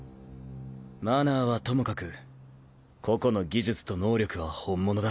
マナーはともかく個々の技術と能力は本物だ。